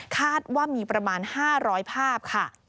คาดว่ามีประมาณ๕๐๐ภาพค่ะ